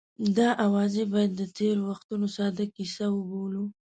دا اوازې باید د تېرو وختونو ساده کیسه وبولو.